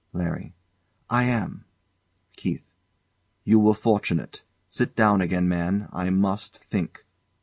LARRY. I am. KEITH. You were fortunate. Sit down again, man. I must think.